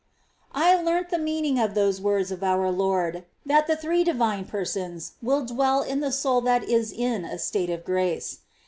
I learnt the meaning of those words of our Lord, that the Three Divine Persons will dwell in the soul that is in a state of grace.